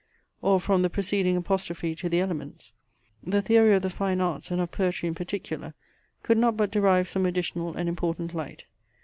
or from the preceding apostrophe to the elements; the theory of the fine arts, and of poetry in particular, could not but derive some additional and important light.